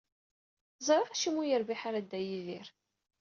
Ẓriɣ acimi ur yerbiḥ ara Dda Yidir.